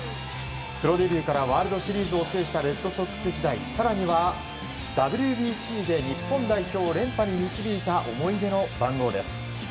プロデビューからワールドシリーズを制したレッドソックス時代更にはＷＢＣで優勝に導いた思い出の番号です。